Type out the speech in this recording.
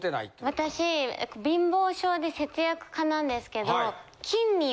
私貧乏性で節約家なんですけど。